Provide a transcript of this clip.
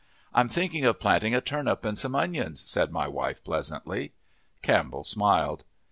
"I'm thinking of planting a turnip and some onions," said my wife pleasantly. Campbell smiled.